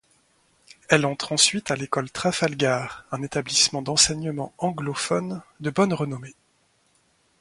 Elle entre ensuite à l'école Trafalgar, un établissement d'enseignement anglophone de bonne renommée.